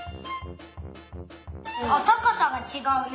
あったかさがちがうね。